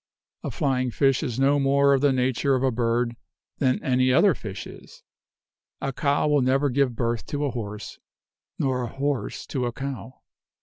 A flying fish is no more of the nature of a bird than any other fish is. A cow will never give birth to a horse, nor a horse to a cow.